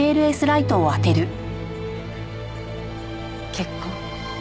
血痕。